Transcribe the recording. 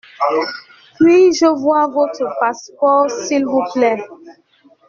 Puis-je voir votre passeport s’il vous plait ?